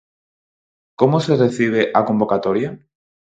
Como se recibe a convocatoria?